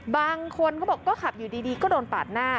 บางคนก็บอกขับอยู่ดีแล้วก็โดนปากหน้า